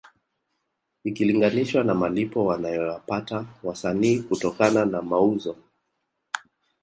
Ikilinganishwa na malipo wanayoyapata wasanii kutokana na mauzo